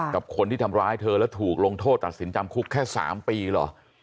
กับคนที่ทำร้ายเธอแล้วถูกลงโทษตัดสินจำคุกแค่๓ปีเหรอ